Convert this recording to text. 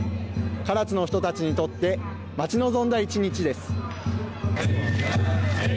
唐津の人たちにとって待ち望んだ１日です。